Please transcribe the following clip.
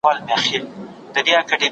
ځوانان به د تېرو پېښو اصلي لاملونه وڅېړي.